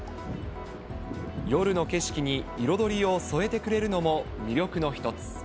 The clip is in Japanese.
夜の景色に彩りを添えてくれるのも魅力の一つ。